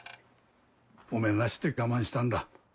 おめなして我慢したんだ。